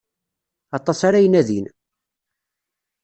Aṭas ara inadin.